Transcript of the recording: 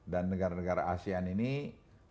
dan negara negara asean ini juga saya lihat